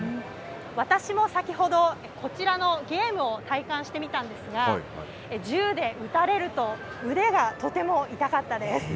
私も先ほど、こちらのゲームを体感してみたんですが、銃で撃たれると腕がとても痛かったです。